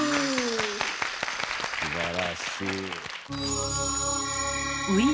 すばらしい。